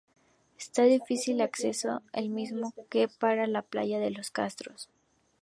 Este difícil acceso es el mismo que para la Playa de Los Castros.